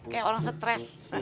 kayak orang stres